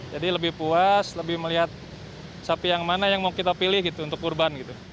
jadi lebih puas lebih melihat sapi yang mana yang mau kita pilih gitu untuk kurban gitu